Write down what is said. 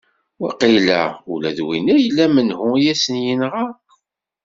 Waqila ula d winna yella menhu i asen-yenɣa!